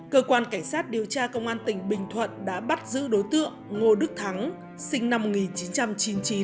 cơ quan cảnh sát điều tra công an tỉnh bình thuận đã bắt giữ đối tượng ngô đức thắng sinh năm một nghìn chín trăm chín mươi chín ngụ tại tỉnh bắc giang về hành vi lừa đảo chiếm đoạt tài sản